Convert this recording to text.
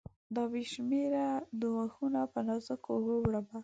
دا بې شمیره دوږخونه په نازکو اوږو، وړمه